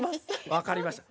わかりました。